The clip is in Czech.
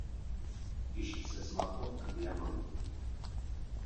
Těží se zlato a diamanty.